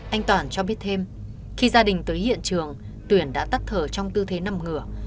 anh toản cho biết thêm khi gia đình tới hiện trường tuyển đã tắt thở trong tư thế nằm ngửa